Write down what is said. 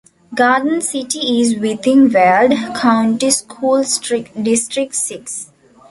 Garden City is within Weld County School District Six.